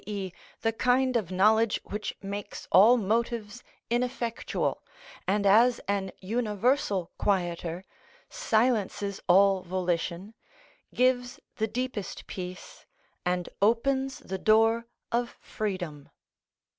e._, the kind of knowledge which makes all motives ineffectual, and as an universal quieter silences all volition, gives the deepest peace and opens the door of freedom.